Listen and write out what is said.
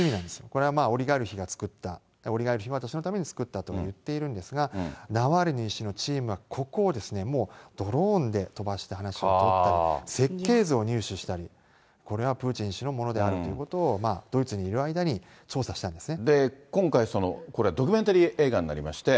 これはまあ、オリガルヒが作った、オリガルヒがそのために作ったと言っているんですが、ナワリヌイ氏のチームは、ここをドローンで飛ばして、を撮ったり、設計図を入手したり、これはプーチン氏のものであるということを、プーチンがいる間に今回、これ、ドキュメンタリー映画になりまして。